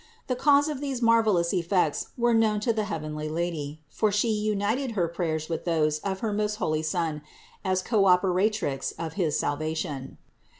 The cause of these marvelous effects were known to the heavenly Lady, for She united her prayers with those of her most holy Son as Co opera trix of his salvation.